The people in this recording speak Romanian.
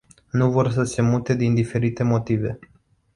Nu vor să se mute din diferite motive.